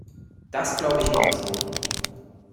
Das glaube ich Ihnen auch so.